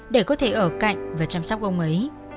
để có thể ở cạnh và chăm sóc ông ấy